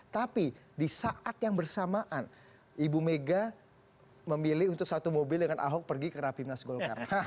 tapi di saat yang bersamaan ibu mega memilih untuk satu mobil dengan ahok pergi ke rapimnas golkar